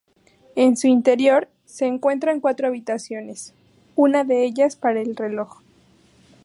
En su interior se encuentran cuatro habitaciones, una de ellas para el reloj.